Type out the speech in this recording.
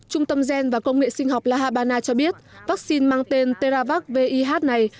trung tâm gen và công nghệ sinh học la habana cho biết vaccine mang tên teravac vih này